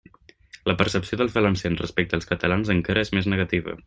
La percepció dels valencians respecte als catalans encara és més negativa.